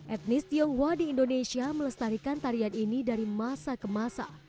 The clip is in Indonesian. etnis tionghoa di indonesia melestarikan tarian ini dari masa ke masa